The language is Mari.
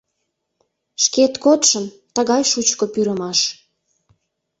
Шкет кодшын тыгай шучко пӱрымаш.